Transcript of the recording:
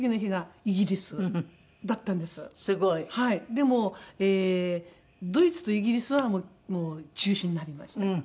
でもドイツとイギリスはもう中止になりました。